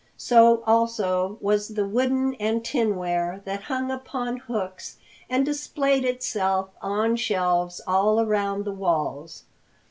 So also was the wooden and tinware that hung upon hooks and displayed itself on shelves all around the walls.